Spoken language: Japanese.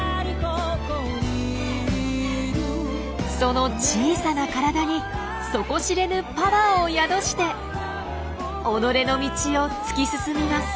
その小さな体に底知れぬパワーを宿して己の道を突き進みます。